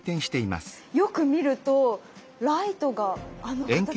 よく見るとライトがあの形餃子ですね。